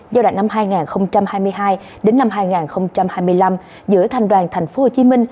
giai đoạn năm hai nghìn hai mươi hai đến năm hai nghìn hai mươi năm giữa thành đoàn tp hcm